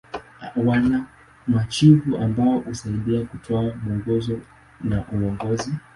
Wana machifu ambao husaidia kutoa mwongozo na uongozi.